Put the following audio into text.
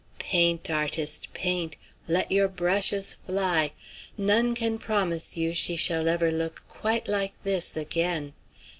Paint, artist, paint! Let your brushes fly! None can promise you she shall ever look quite like this again.